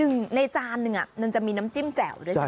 ซึ่งในจานนึงอ่ะมีน้ำจิ้มแจ่วด้วย